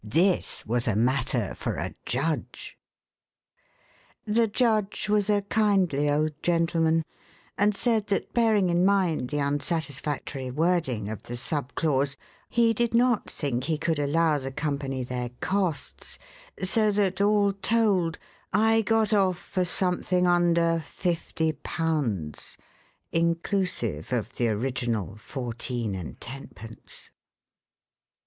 This was a matter for a judge. The judge was a kindly old gentleman, and said that bearing in mind the unsatisfactory wording of the sub clause, he did not think he could allow the company their costs, so that, all told, I got off for something under fifty pounds, inclusive of the original fourteen and tenpence.